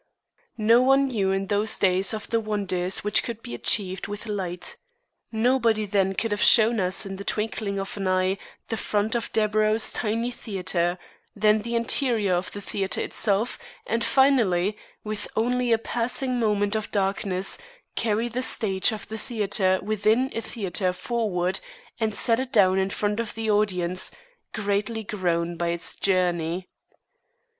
No one knew in those days of the wonders which could be achieved with light. Nobody, then, could have shown us in the twinkling of an eye the front of Deburau's tiny theater, then the interior of the theater itself, and finally, with only a passing moment of darkness, carry the stage of the theater within a theater forward and set it down in front of the audience, greatly grown by its journey.